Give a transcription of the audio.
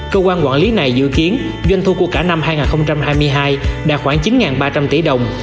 cơ quan quản lý này dự kiến doanh thu của cả năm hai nghìn hai mươi hai đạt khoảng chín ba trăm linh tỷ đồng